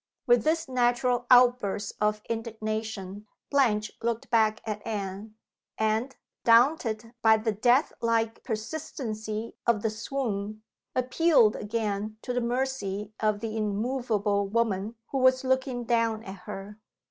With this natural outburst of indignation, Blanche looked back at Anne; and, daunted by the death like persistency of the swoon, appealed again to the mercy of the immovable woman who was looking down at her.